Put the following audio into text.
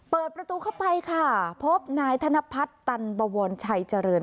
เปิดประตูเข้าไปค่ะพบนายธนพัฒน์ตันบวรชัยเจริญ